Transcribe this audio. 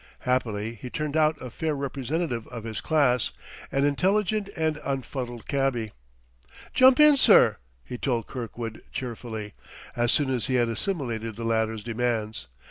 Happily he turned out a fair representative of his class, an intelligent and unfuddled cabby. "Jump in, sir," he told Kirkwood cheerfully, as soon as he had assimilated the latter's demands.